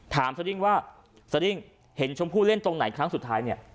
สดิ้งว่าสดิ้งเห็นชมพู่เล่นตรงไหนครั้งสุดท้ายเนี่ย